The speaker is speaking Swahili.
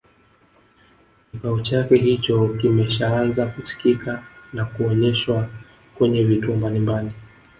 kibao chake hicho kimeshaanza kusikika na kuonyeshwa kwenye vituo mbalimbali